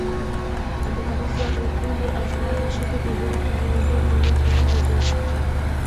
لمریز ځواک د ټولو افغان ښځو په ژوند کې یو ډېر مهم رول لري.